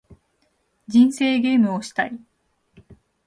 人生ゲームをしたい